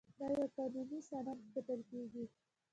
دا یو قانوني سند ګڼل کیږي.